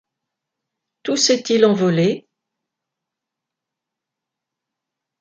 Tout s’est-il envolé?